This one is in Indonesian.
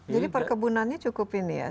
jadi perkebunannya cukup ini ya